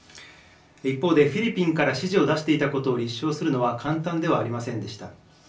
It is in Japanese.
一方でフィリピンから指示を出していたことを立証するのは簡単ではありませんでした。